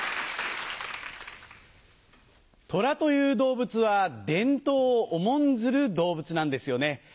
トラという動物は伝統を重んずる動物なんですよね。